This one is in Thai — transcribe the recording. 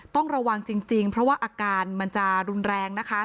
ต้องระวังจริงเพราะว่าอาการมันจะรุนแรงนะคะ